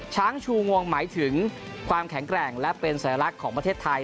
ช้างชูงวงหมายถึงความแข็งแกร่งและเป็นสัญลักษณ์ของประเทศไทย